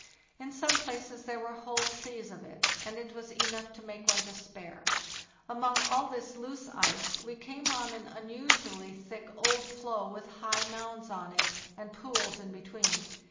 In some places there were whole seas of it, and it was enough to make one despair. Among all this loose ice we came on an un usually thick old floe, with high mounds on it and pools in between.